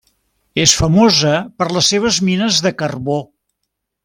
És famosa per les seves mines de carbó.